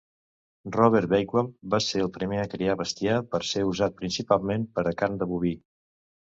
Robert Bakewell va ser el primer a criar bestiar per ser usat principalment per a carn de boví.